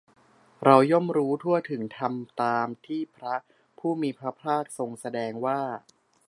เราย่อมรู้ทั่วถึงธรรมตามที่พระผู้มีพระภาคทรงแสดงว่า